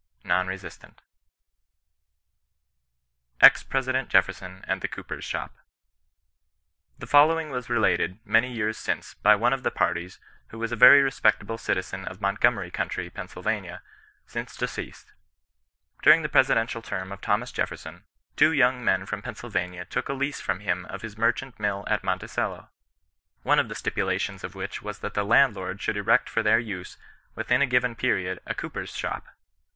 — NorirRe sistant, EX PBESIPENT JEFFERSON ANP THE COOPEB's SHOP. " The following was related, many years since, by one of the parties, who was a very respectable citizen of Montgomery county. Pa., since deceased :— During the presidential term of Thomas Jefferson, two young men from Pennsylvania took a lease from him of hi» merchant mill at Monticello, one of the stipulations of which was that the landlord should erect for their use, within a given period, a cooper's shop.